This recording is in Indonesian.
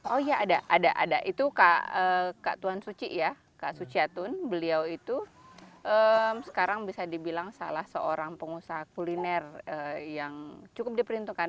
oh iya ada ada itu kak tuan suci ya kak suciatun beliau itu sekarang bisa dibilang salah seorang pengusaha kuliner yang cukup diperuntukkan